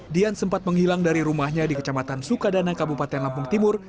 dian sempat menghilang dari rumahnya di kecamatan sukadana kabupaten lampung timur